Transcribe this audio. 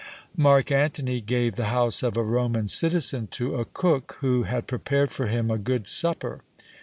Marc Antony gave the house of a Roman citizen to a cook, who had prepared for him a good supper!